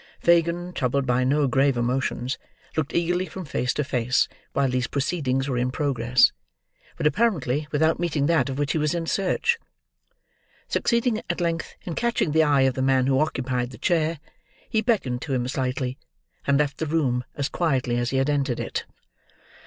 Fagin, troubled by no grave emotions, looked eagerly from face to face while these proceedings were in progress; but apparently without meeting that of which he was in search. Succeeding, at length, in catching the eye of the man who occupied the chair, he beckoned to him slightly, and left the room, as quietly as he had entered it.